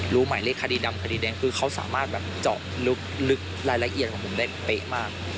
หมายเลขคดีดำคดีแดงคือเขาสามารถแบบเจาะลึกรายละเอียดของผมได้เป๊ะมาก